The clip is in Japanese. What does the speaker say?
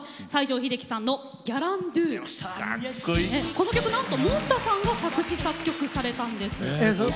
この曲なんともんたさんが作詞・作曲されたんです。